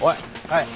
はい！